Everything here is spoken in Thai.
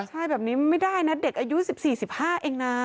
ใช่แบบนี้ไม่ได้นะเด็กอายุ๑๔๑๕เองนะ